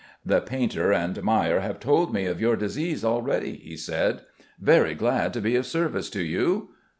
"The painter and Mayer have told me of your disease already," he said. "Very glad to be of service to you.